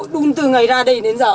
đúng từ ngày ra đây đến giờ